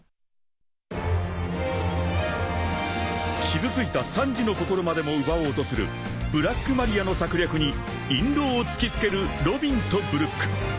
［傷ついたサンジの心までも奪おうとするブラックマリアの策略に印籠を突き付けるロビンとブルック］